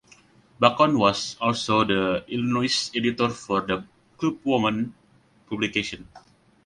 Bacon was also the Illinois editor for "The Club Woman" publication.